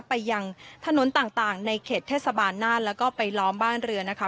ไปยังถนนต่างในเขตเทศบาลน่านแล้วก็ไปล้อมบ้านเรือนะคะ